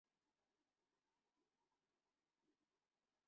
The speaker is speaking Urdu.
سو پیکاں تھے پیوست گلو جب چھیڑی شوق کی لے ہم نے